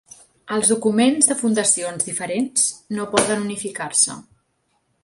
Els documents de fundacions diferents, no poden unificar-se.